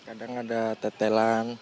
kadang ada tetelan